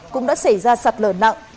cũng đã xảy ra sạt lở nặng